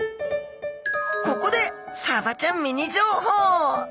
ここでサバちゃんミニ情報。